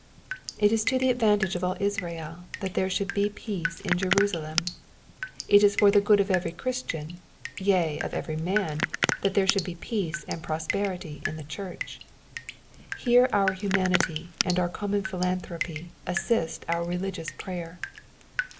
'''' It b to the advantage of all Israel that there should be peace in Jerusalem. It b for the gowi of every Christian, yea, of every man, that there should be peace and prosperity in the church. Here our humanity and our common philanthropy assist our religious prayer.